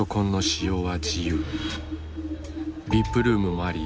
ＶＩＰルームもあり